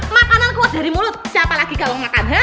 makanan dari mulut siapa lagi kau makan